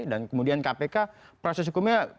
dan kemudian kpk proses hukumnya